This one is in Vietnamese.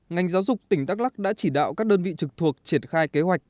ngành giáo dục tỉnh đắk lắc đã chỉ đạo các đơn vị trực thuộc triển khai kế hoạch